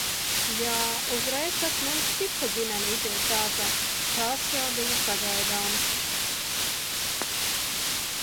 Jā, uzreiz pēc mums cita ģimene iziet dārzā. Tas jau bija sagaidāmas.